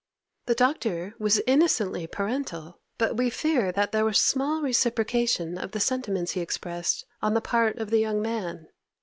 The Doctor was innocently parental; but we fear there was small reciprocation of the sentiments he expressed on the part of the young man.